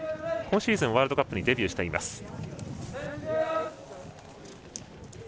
今シーズン、ワールドカップにデビューしています。